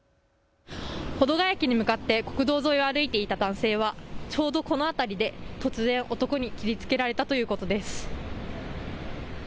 保土ケ谷駅に向って国道沿いを歩いていた男性はちょうどこの辺りで突然、男に切りつけられたということです。